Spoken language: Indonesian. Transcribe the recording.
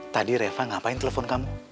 tadi reva ngapain telepon kamu